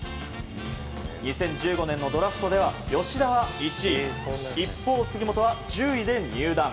２０１５年のドラフトでは吉田は１位一方、杉本は１０位で入団。